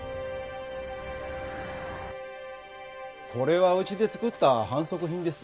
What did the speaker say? これはうちで作った販促品です。